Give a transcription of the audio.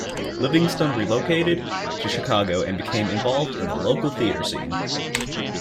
Livingston relocated to Chicago and became involved in the local theater scene.